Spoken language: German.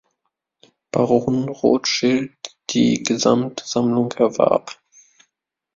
Baron Rothschild die gesamte Sammlung erwarb.